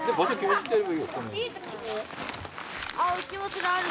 うちもそれある。